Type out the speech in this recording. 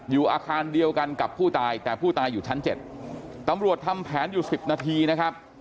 อยู่อาคารเดียวกันกับผู้ตายแต่ผู้ตายอยู่ชั้น๗ตำรวจทำแผนอยู่๑๐นาทีนะครับ